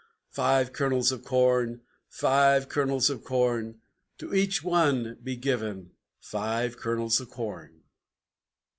Five Kernels of Corn! Five Kernels of Corn! To each one be given Five Kernels of Corn!"